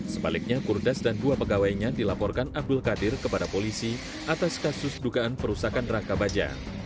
sebaliknya kurdas dan dua pegawainya dilaporkan abdul qadir kepada polisi atas kasus dugaan perusakan raka baja